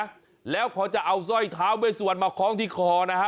ไปแล้วเขาจะเอาสร้อยเท้าไปสวนมาคล้องที่คอนะฮะ